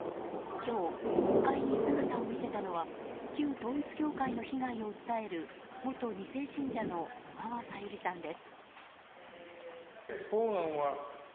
今日、国会に姿を見せたのは旧統一教会の被害を訴える元２世信者の小川さゆりさんです。